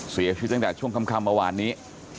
เสียชีวิตตั้งแต่ช่วงค่ำเมื่อวานนี้